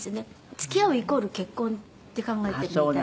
「付き合うイコール結婚って考えているみたいで」